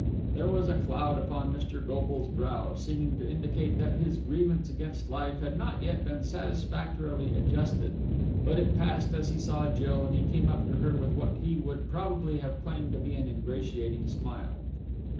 There was a cloud upon Mr. Goble's brow, seeming to indicate that his grievance against life had not yet been satisfactorily adjusted; but it passed as he saw Jill, and he came up to her with what he would probably have claimed to be an ingratiating smile.